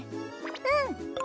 うん！